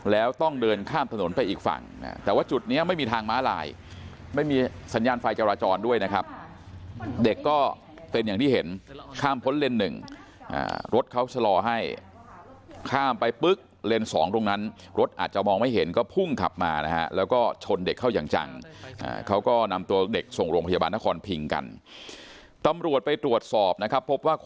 แล้วต้องเดินข้ามถนนไปอีกฝั่งแต่ว่าจุดนี้ไม่มีทางม้าลายไม่มีสัญญาณไฟจราจรด้วยนะครับเด็กก็เป็นอย่างที่เห็นข้ามพ้นเลนส์หนึ่งรถเขาชะลอให้ข้ามไปปุ๊บเลนส์สองตรงนั้นรถอาจจะมองไม่เห็นก็พุ่งขับมานะฮะแล้วก็ชนเด็กเข้าอย่างจังเขาก็นำตัวเด็กส่งโรงพยาบาลนครพิงกันตำรวจไปตรวจสอบนะครับพบว่าค